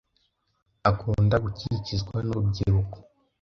Akunda gukikizwa nurubyiruko.